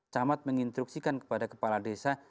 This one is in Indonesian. camat menginstruksikan kepada kepala desa